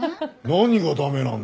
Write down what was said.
何が駄目なんだよ？